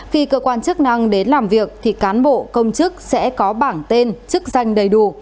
khi cơ quan chức năng đến làm việc thì cán bộ công chức sẽ có bảng tên chức danh đầy đủ